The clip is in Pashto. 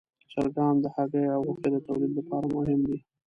چرګان د هګیو او غوښې د تولید لپاره مهم دي.